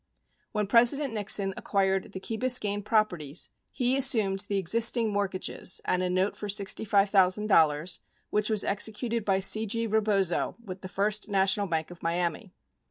When President Nixon acquired the Key Biscayne properties, he assumed the existing mortgages and a note for $65,000 which was executed by C. G. Rebozo with the First National Bank of Miami.